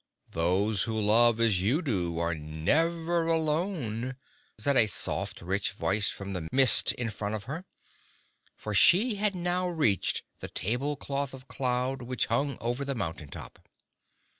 "Those who love as you do are never alone," said a soft rich voice from the mist in front of her. For she had now reached the tablecloth of cloud which hung over the mountain top.